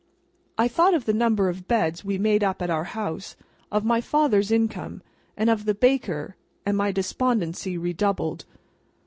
I thought of the number of beds we made up at our house, of my father's income, and of the baker, and my despondency redoubled.